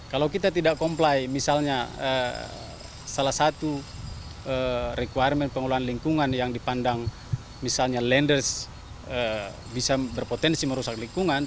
kalau kita tidak comply misalnya salah satu requirement pengelolaan lingkungan yang dipandang misalnya lenders bisa berpotensi merusak lingkungan